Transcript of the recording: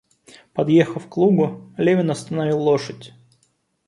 Подъехав к лугу, Левин остановил лошадь.